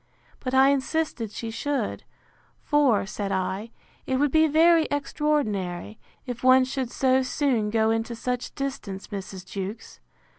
But I insisted she should: For, said I, it would be very extraordinary, if one should so soon go into such distance, Mrs. Jewkes.